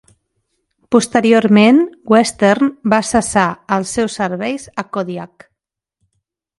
Posteriorment, Western va cessar els seus serveis a Kodiak.